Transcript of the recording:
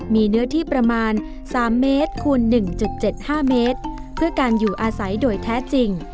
มีเนื้อที่ประมาณ๓เมตรคูณ๑๗๕เมตรเพื่อการอยู่อาศัยโดยแท้จริง